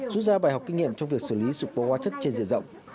rút ra bài học kinh nghiệm trong việc xử lý sự cố hóa chất trên diện rộng